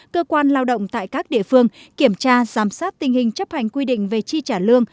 cơ quan lao động tại các địa phương kiểm tra giám sát tình hình chấp hành quy định về chi trả lương